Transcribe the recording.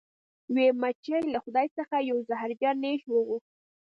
یوې مچۍ له خدای څخه یو زهرجن نیش وغوښت.